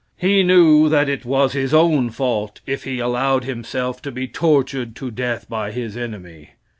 He knew that it was his own fault if he allowed himself to be tortured to death by his enemy.